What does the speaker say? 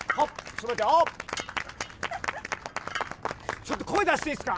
ちょっと声出していいっすか？